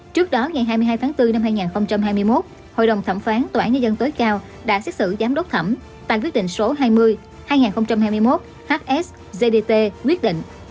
trước đó ngày hai mươi hai tháng bốn năm hai nghìn hai mươi một hội đồng thẩm phán tòa án nhân dân tối cao đã xét xử giám đốc thẩm tại quyết định số hai mươi hai nghìn hai mươi một hsgdt quyết định